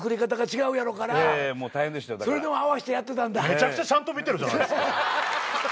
めちゃくちゃちゃんと見てるじゃないですか。